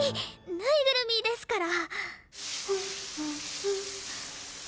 ぬいぐるみですから！